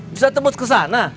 bisa tembus ke sana